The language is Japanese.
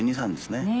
ねえ。